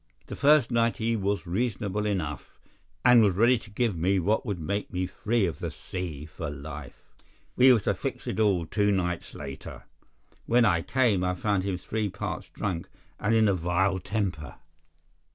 The first night he was reasonable enough, and was ready to give me what would make me free of the sea for life. We were to fix it all two nights later. When I came, I found him three parts drunk and in a vile temper.